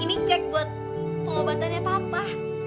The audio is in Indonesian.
ini cek buat pengobatannya papa